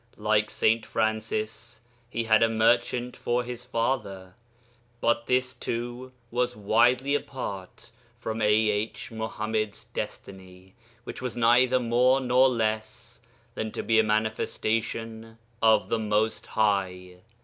Like St. Francis, he had a merchant for his father, but this too was widely apart from 'AH Muḥammad's destiny, which was neither more nor less than to be a manifestation of the Most High.